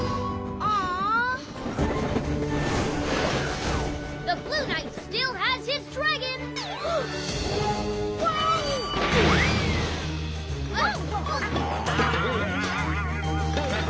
あっ！